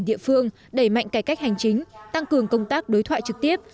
địa phương đẩy mạnh cải cách hành chính tăng cường công tác đối thoại trực tiếp